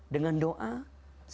dengan doa segala sesuatu